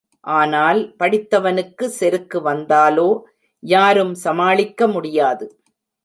ஆனால், படித்தவனுக்கு செருக்கு வந்தாலோ யாரும் சமாளிக்க முடியாது.